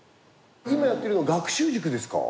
今やってるのは学習塾ですか？